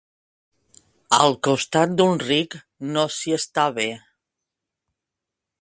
Al costat d'un ric, no s'hi està bé.